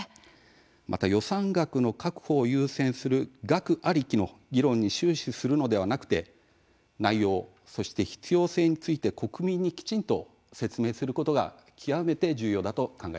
また予算額の確保を優先する額ありきの議論に終始するのではなくて内容、そして必要性について国民にきちんと説明することが極めて重要だと考えます。